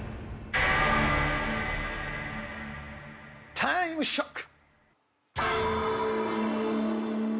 タイムショック！